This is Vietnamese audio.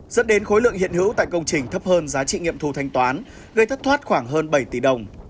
dẫn đến khối lượng hiện hữu tại công trình thấp hơn giá trị nghiệm thu thanh toán gây thất thoát khoảng hơn bảy tỷ đồng